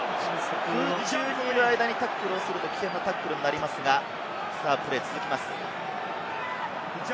空中にいる間にタックルをすると危険なタックルになりますが、プレーは続きます。